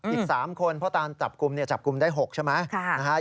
อีก๓คนเพราะตามจับกลุ่มจับกลุ่มได้๖ใช่ไหม